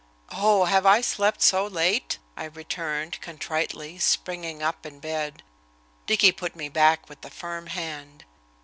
"Oh, have I slept so late?" I returned, contritely, springing up in bed. Dicky put me back with a firm hand.